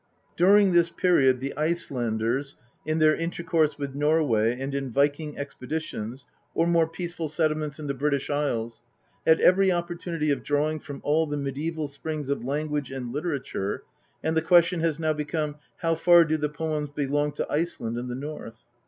During this period the Icelanders, in their intercourse with Norway and in Viking expeditions or more peaceful settlements in the British Isles, had every opportunity of drawing from all the mediaeval springs of language and literature, and the question has now become " How far do the poems belong to Iceland and the North